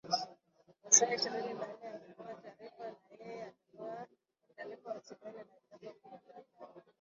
Masaa ishirini na nne angepewa taarifa na yeye atapewa taarifa awasiliane na Jacob haraka